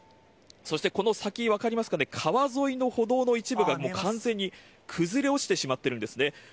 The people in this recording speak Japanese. そしてこの先、分かりますかね、川沿いの歩道の一部がもう完全に崩れ落ちてしまってるんですね。